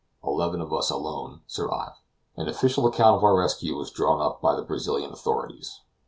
Eleven of us alone survive. An official account of our rescue was drawn up by the Brazilian authorities.